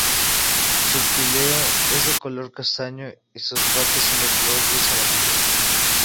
Su píleo es de color castaño y sus patas son de color gris amarillento.